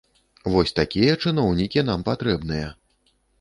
Вось такія чыноўнікі нам патрэбныя!